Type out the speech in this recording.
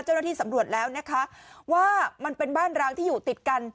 เจ้าหน้าที่สำรวจแล้วนะคะว่ามันเป็นบ้านร้างที่อยู่ติดกัน